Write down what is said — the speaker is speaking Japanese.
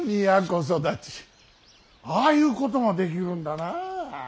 ああいうこともできるんだな。